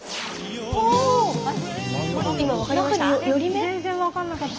全然分かんなかった。